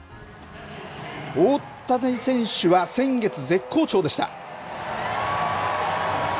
大谷選手は先月、絶好調でした。